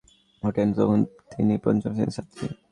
প্রথম যেদিন মঞ্চে গান গাইতে ওঠেন, তখন তিনি পঞ্চম শ্রেণির ছাত্রী।